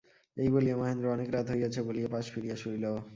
এই বলিয়া মহেন্দ্র অনেক রাত হইয়াছে বলিয়া পাশ ফিরিয়া শুইল।